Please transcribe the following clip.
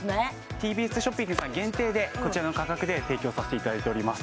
ＴＢＳショッピングさん限定でこちらの価格で提供させていただいております